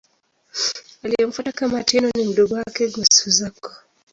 Aliyemfuata kama Tenno ni mdogo wake, Go-Suzaku.